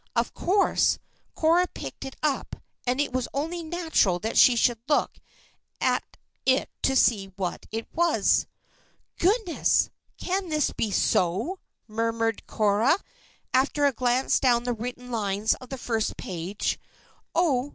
Of course, Cora picked it up and it was only natural that she should look at it to see what it was. "Goodness! Can this be so?" murmured Cora, after a glance down the written lines on the first page. "Oh!